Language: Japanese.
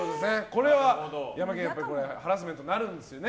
これはヤマケン君ハラスメントになるんですよね。